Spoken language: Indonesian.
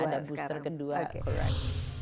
apalagi ada booster kedua sekarang